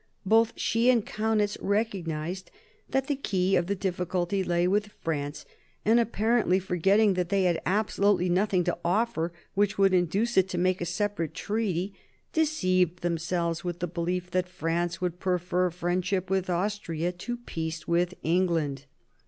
Both she and Kaunitz recognised that the key of the difficulty lay with France, and, apparently forgetting that they had absolutely nothing to offer which could induce it to make a separate treaty, deceived themselves with the belief that France would prefer friendship with Austria to peace with England.